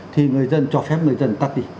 thì người dân cho phép người dân tắt đi